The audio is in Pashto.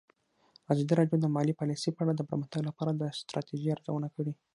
ازادي راډیو د مالي پالیسي په اړه د پرمختګ لپاره د ستراتیژۍ ارزونه کړې.